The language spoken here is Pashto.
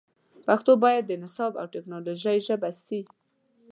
پښتو باید د نصاب او ټکنالوژۍ ژبه سي